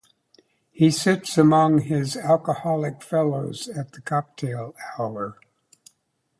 He sits among his alcoholic fellows at the cocktail hour.